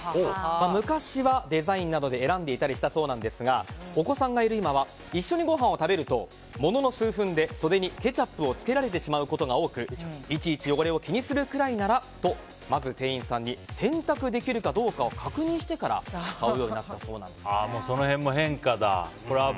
昔はデザインなどで選んでいたそうですがお子さんがいる今は一緒にご飯を食べるとものの数分で袖にケチャップをつけられてしまうことが多くいちいち汚れを気にするぐらいならと店員さんに洗濯できるかどうかを確認してからその辺も変化だ。